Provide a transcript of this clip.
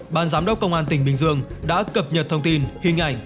ban giám đốc công an tỉnh bình dương đã cập nhật thông tin hình ảnh